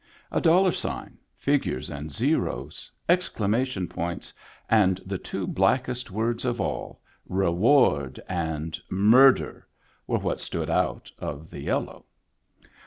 A dollar sign, figures and zeros, exclamation points, and the two blackest words of all, reward and murder, were what stood out of the yellow.